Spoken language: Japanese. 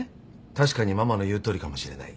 確かにママの言うとおりかもしれない。